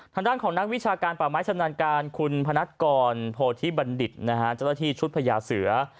ทางด้านของนักวิชาการป่าไม้สำนักการณ์คุณพนักกรโพธิบัณฑิตจัตวที่ชุดพญาเสือ